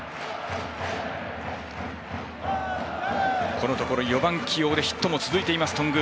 このところ４番起用でヒットも続いている頓宮。